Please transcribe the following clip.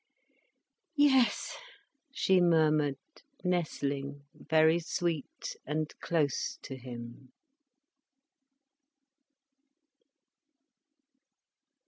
"Yes," she murmured, nestling very sweet and close to him.